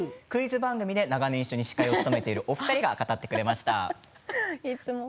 クイズ番組で長年一緒に司会を務めているお二人が語ってくれました。